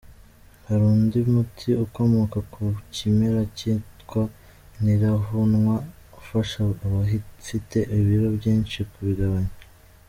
Hari undi muti ukomoka ku kimera cyitwa "Ntiruhunwa" ufasha abafite ibiro byinshi kubigabanya.